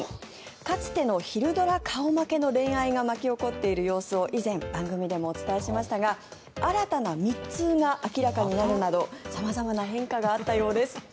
かつての昼ドラ顔負けの恋愛が巻き起こっている様子を以前、番組でもお伝えしましたが新たな密通が明らかになるなど様々な変化があったようです。